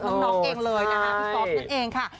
น้องน้องเองเลยพี่ฟอสนั่นเองค่ะ